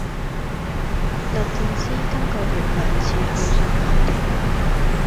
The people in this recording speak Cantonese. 律政司今個月兩次去信法庭